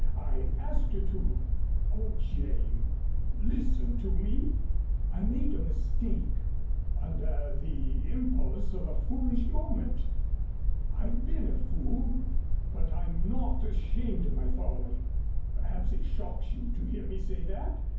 I asked her to. Oh, Jane, listen to me. I made a mistake under the impulse of a foolish moment. I've been a fool but I'm not ashamed of my folly. Perhaps it shocks you to hear me say that.